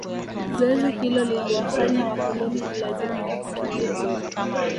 Zoezi hilo liliwafanya wakoloni kulazimika kukimbia